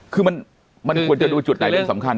คือมันควรจะดูจุดไหนเป็นสำคัญ